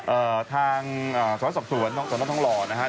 เอ่อทางสวนสวนท่อท่องรอนะฮะ